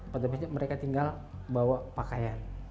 pada biasanya mereka tinggal bawa pakaian